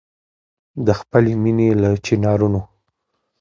د خپلي مېني له چنارونو